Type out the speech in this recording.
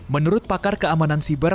menurut pakar keamanan siber